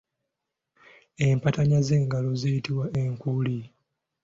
Empataanya z’engalo ziyitibwa enkuuli.